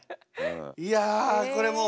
いやこれもう。